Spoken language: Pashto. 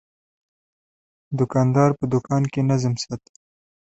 دوکاندار په دوکان کې نظم ساتي.